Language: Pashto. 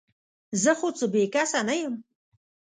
زه خو څه بې کسه نه یم ؟